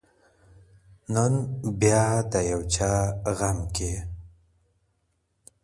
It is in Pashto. نن بيا د يو چا غم كي